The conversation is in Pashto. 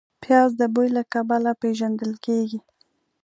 پیاز د بوی له کبله پېژندل کېږي